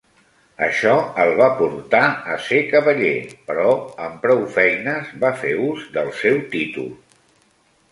Això el va portar a ser cavaller, però amb prou feines va fer ús del seu títol.